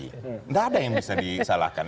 tidak ada yang bisa disalahkan